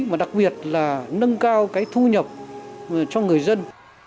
mà đặc biệt là nâng cao cái thu nhập cho người dân